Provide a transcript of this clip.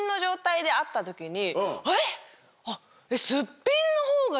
「えっ⁉」。